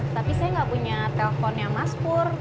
tapi saya enggak punya teleponnya mas pur